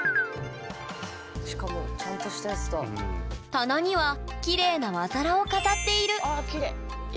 棚にはきれいな和皿を飾っているああきれい。